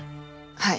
はい。